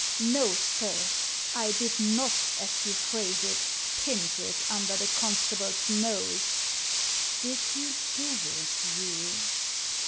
"No, sir; I did not, as you phrase it, pinch it, under the constable's nose." " Did he give it you